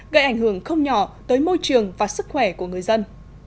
gây ảnh hưởng không nhỏ tới môi trường và sức khỏe của người dân